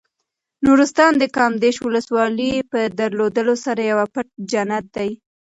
نورستان د کامدېش ولسوالۍ په درلودلو سره یو پټ جنت دی.